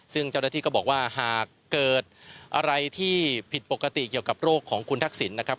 ซึ่งเจ้าหน้าที่ก็บอกว่าหากเกิดอะไรที่ผิดปกติเกี่ยวกับโรคของคุณทักษิณนะครับ